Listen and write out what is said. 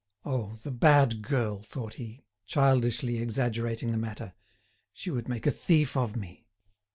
"Oh! the bad girl!" thought he, childishly exaggerating the matter, "she would make a thief of me."